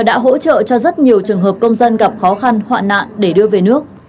đã hỗ trợ cho rất nhiều trường hợp công dân gặp khó khăn hoạn nạn để đưa về nước